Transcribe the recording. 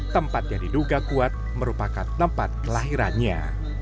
tempat yang diduga kuat merupakan tempat kelahirannya